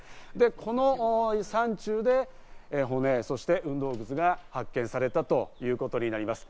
この山中で、骨、そして運動靴が発見されたということになります。